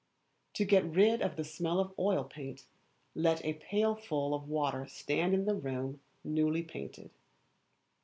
To get rid of the smell of oil paint, let a pailful of water stand in the room newly painted.